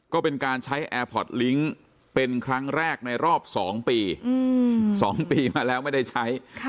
ก็เป็นการใช้แอร์พอร์ตลิงค์เป็นครั้งแรกในรอบ๒ปี๒ปีมาแล้วไม่ได้ใช้